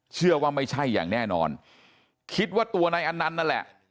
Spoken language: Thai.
เชื่อว่าไม่ใช่อย่างแน่นอนคิดว่าตัวนายอันนั้นนั่นแหละ